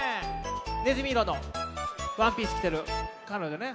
ねずみいろのワンピースきてるかのじょね。